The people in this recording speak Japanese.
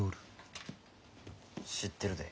知ってるで。